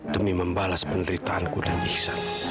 demi membalas penderitaanku dan ihsan